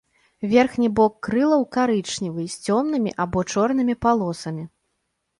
Верхні бок крылаў карычневы з цёмнымі або чорнымі палосамі.